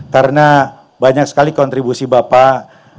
karena banyak sekali kontribusi bapak